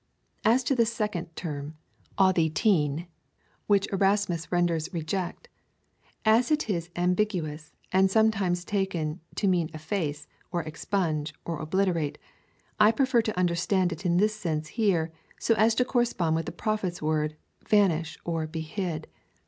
As to the second term aderelv, (which Erasmus renders reject,) as it is ambi guous, and is sometimes taken to mean efface, or expunge, or obliterate, I prefer to understand it in this sense here, so as to correspond with the Prophet's word vanish, or he hid.